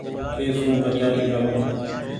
ڪي سون ڪچآري ڪرون ۔